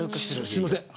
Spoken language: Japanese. すいません。